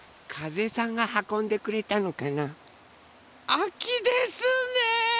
あきですね！